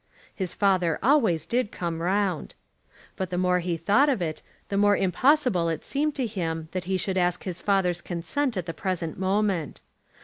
His father always did come round. But the more he thought of it, the more impossible it seemed to him that he should ask his father's consent at the present moment.